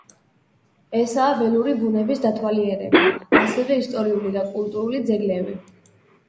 ესაა ველური ბუნების დათვალიერება, ასევე ისტორიული და კულტურული ძეგლები.